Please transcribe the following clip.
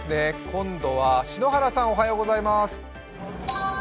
今度は篠原さん、おはようございます。